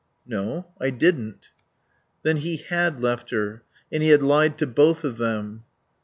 "No. I didn't." Then he had left her. And he had lied to both of them.